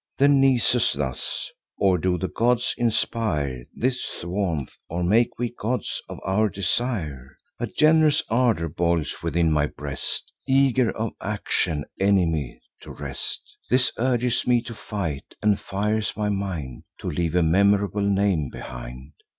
Then Nisus thus: "Or do the gods inspire This warmth, or make we gods of our desire? A gen'rous ardour boils within my breast, Eager of action, enemy to rest: This urges me to fight, and fires my mind To leave a memorable name behind.